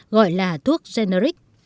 gọi là thuốc generic